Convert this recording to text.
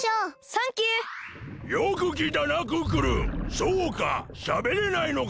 そうかしゃべれないのか！